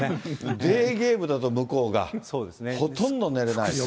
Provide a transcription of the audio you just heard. デーゲームだと、向こうが、ほとんど寝れないね。